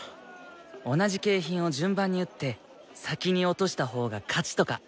同じ景品を順番に撃って先に落としたほうが勝ちとか。